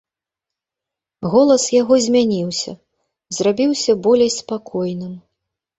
Голас яго змяніўся, зрабіўся болей спакойным.